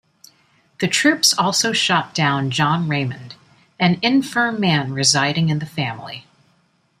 The troops also shot down John Raymond, an infirm man residing in the family.